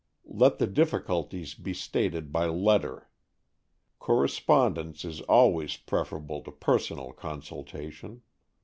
Let the difficulties be stated by letter. Correspondence is always preferable to personal consultation.